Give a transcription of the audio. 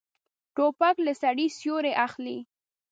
توپک له سړي سیوری اخلي.